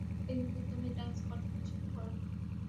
একদিন তো তুমি ডান্স করতে পছন্দ করো?